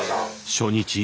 初日。